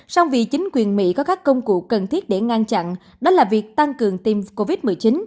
song vì chính quyền mỹ có các công cụ cần thiết để ngăn chặn đó là việc tăng cường tiêm covid một mươi chín